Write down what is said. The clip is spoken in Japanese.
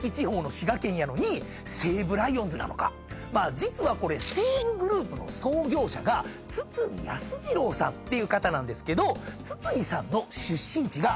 実はこれ西武グループの創業者が堤康次郎っていう方なんですけど堤さんの。